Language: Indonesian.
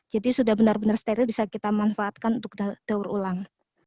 jadi sudah benar benar steril bisa kita manfaatkan untuk daur ulang